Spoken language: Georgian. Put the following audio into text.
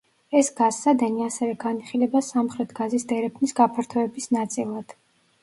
ეს გაზსადენი ასევე განიხილება სამხრეთ გაზის დერეფნის გაფართოების ნაწილად.